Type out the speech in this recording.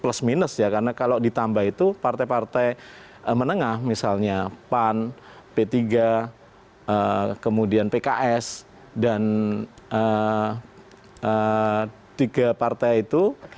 plus minus ya karena kalau ditambah itu partai partai menengah misalnya pan p tiga kemudian pks dan tiga partai itu